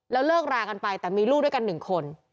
เลิกรากันไปแต่มีลูกด้วยกัน๑คน